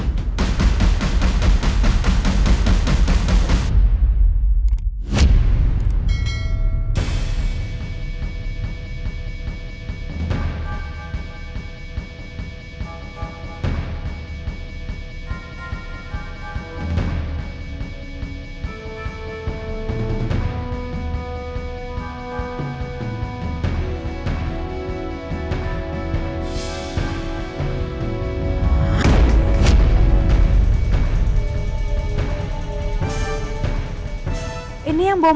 cak keluarga gue